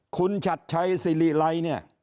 คุณชัดชัยสิริไลเนี่ย